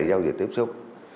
giao dịch tiếp xúc